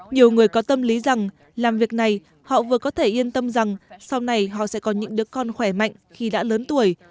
nhiều người có tâm lý rằng làm việc này họ vừa có thể yên tâm rằng sau này họ sẽ có những đứa con khỏe mạnh khi đã lớn tuổi